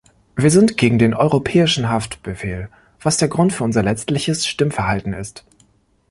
Wir sind gegen den Europäischen Haftbefehl, was der Grund für unser letztliches Stimmverhalten ist.